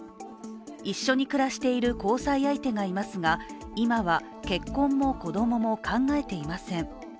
一緒に暮らしている交際相手がいますが今は、結婚も子供も考えていません。